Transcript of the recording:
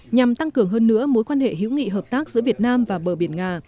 nhằm tăng cường hơn nữa mối quan hệ hữu nghị hợp tác giữa việt nam và bờ biển nga